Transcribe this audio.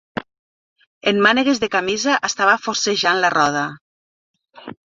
En mànegues de camisa estava forcejant la roda